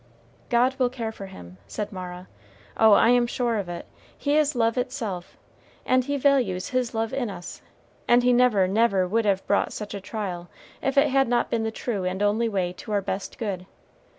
"God will care for him," said Mara; "oh, I am sure of it; He is love itself, and He values his love in us, and He never, never would have brought such a trial, if it had not been the true and only way to our best good.